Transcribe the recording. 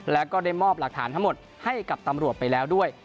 แล้วก็ได้มอบหลักฐานทั้งหมดให้กับตำรวจไปแล้วด้วย